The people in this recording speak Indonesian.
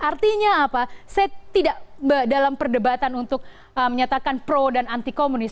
artinya apa saya tidak dalam perdebatan untuk menyatakan pro dan anti komunis